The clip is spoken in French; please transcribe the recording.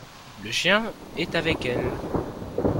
Le chien est avec elles.